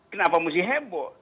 kenapa mesti heboh